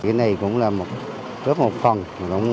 cái này cũng là một